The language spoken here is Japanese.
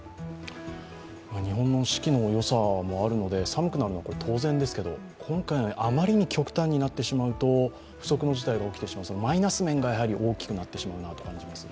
日本の四季のよさもあるので寒くなるのは当然ですけれども、今回のようにあまりに極端になってしまうと不測の事態が起きてしまい、マイナス面が大きくなってしまうなと感じます。